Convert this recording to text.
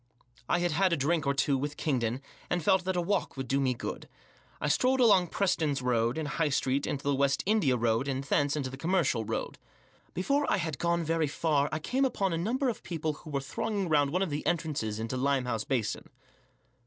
I had had a drink or two with Kingdon, and felt that a walk would do me good. I strolled along Preston's Road and High Street, into the West India Road, and thence* into' the Commercial Road. Before I had gone very far I came upon a number of people who were thronging round one of the entrances into Limehouse Basin.